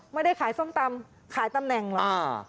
ไม่ได้ขายส้มตำขายตำแหน่งเหรอ